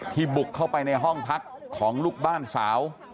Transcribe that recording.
บุกเข้าไปในห้องพักของลูกบ้านสาว